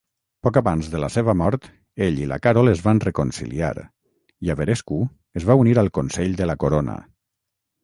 Poc abans de la seva mort, ell i la Carol es van reconciliar, i Averescu es va unir al consell de la corona.